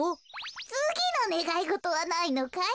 つぎのねがいごとはないのかい？